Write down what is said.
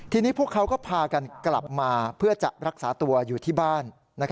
ทีนี้พวกเขาก็พากันกลับมาเพื่อจะรักษาตัวอยู่ที่บ้าน